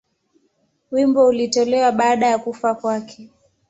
Wimbo ulitolewa baada ya kufa kwake.